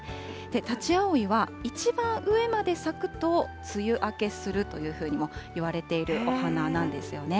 タチアオイは、一番上まで咲くと、梅雨明けするというふうにもいわれているお花なんですよね。